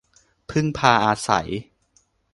พึ่งพาอาศัย